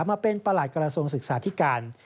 มาเป็นประหลัดกระทรวงศึกษาธิการ